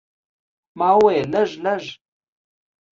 ما وویل، لږ، لږ.